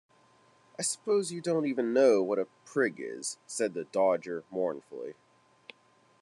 ‘I suppose you don’t even know what a prig is?’ said the Dodger mournfully.